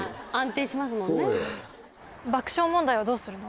爆笑問題はどうするの？